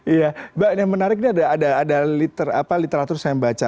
iya mbak yang menariknya ada literatur saya baca